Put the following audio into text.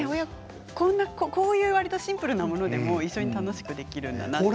こういう、わりとシンプルなものでも一緒に楽しくできるんだなと。